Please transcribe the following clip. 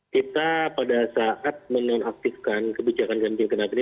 kita pada saat menonaktifkan kebijakan ganjil genap ini